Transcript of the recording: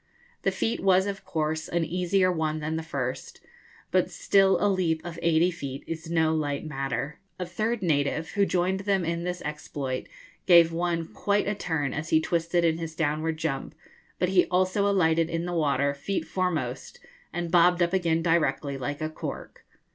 The feat was of course an easier one than the first; but still a leap of eighty feet is no light matter. A third native, who joined them in this exploit, gave one quite a turn as he twisted in his downward jump; but he also alighted in the water feet foremost, and bobbed up again directly, like a cork.